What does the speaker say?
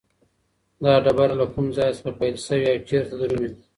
دا ډبره له کوم ځای څخه پیل شوې او چیرته درومي؟